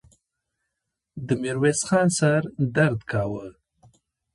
د ميرويس خان سر درد کاوه.